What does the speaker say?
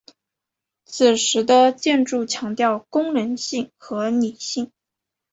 此时的建筑强调功能性和理性。